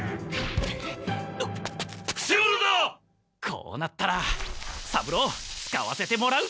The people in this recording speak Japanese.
こうなったら三郎使わせてもらう！